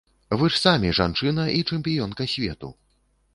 Вы ж самі жанчына і чэмпіёнка свету.